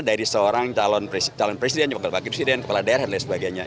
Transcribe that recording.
dari seorang calon presiden kepala daerah dan lain sebagainya